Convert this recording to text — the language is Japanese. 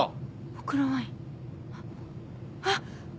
ほくろワインあっ！？あっ！